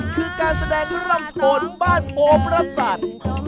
คือการแสดงรำผลบ้านโพพระสัน